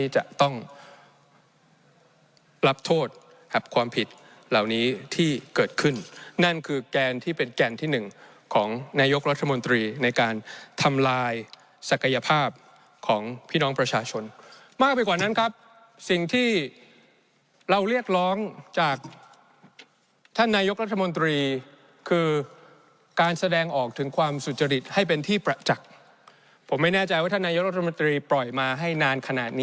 จะต้องรับโทษครับความผิดเหล่านี้ที่เกิดขึ้นนั่นคือแกนที่เป็นแกนที่หนึ่งของนายกรัฐมนตรีในการทำลายศักยภาพของพี่น้องประชาชนมากไปกว่านั้นครับสิ่งที่เราเรียกร้องจากท่านนายกรัฐมนตรีคือการแสดงออกถึงความสุจริตให้เป็นที่ประจักษ์ผมไม่แน่ใจว่าท่านนายกรัฐมนตรีปล่อยมาให้นานขนาดนี้